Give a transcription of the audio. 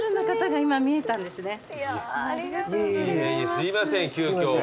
すいません急きょ。